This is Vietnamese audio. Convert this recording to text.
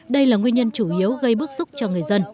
đây là nguyên nhân chủ yếu gây bức xúc cho người dân